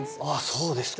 そうですか。